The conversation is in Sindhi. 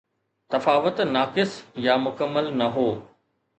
تفاوت ناقص يا مڪمل نه هو